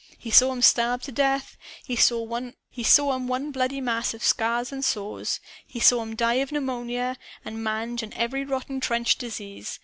He saw 'em starve to death. He saw 'em one bloody mass of scars and sores. He saw 'em die of pneumonia and mange and every rotten trench disease.